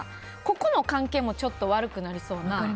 ここの関係も悪くなりそうな。